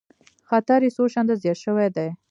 خطر یې څو چنده زیات شوی دی